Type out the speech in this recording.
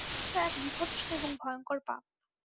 ঈর্ষা এক বীভৎস এবং ভয়ঙ্কর পাপ।